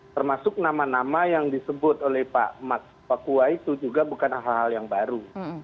termasuk nama nama yang disebut oleh pakua itu juga bukan hal hal yang baru